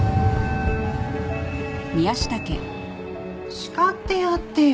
叱ってやってよ。